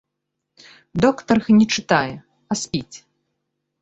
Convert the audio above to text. Доктарыха не чытае, а спіць.